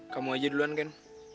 kamu aja duluan ken